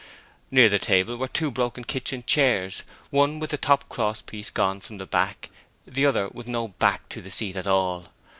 Near the table were two broken kitchen chairs, one with the top cross piece gone from the back, and the other with no back to the seat at all.